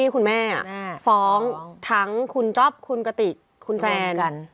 คุณแม่ฟ้องทั้งคุณจ๊อปคุณกติกคุณแซน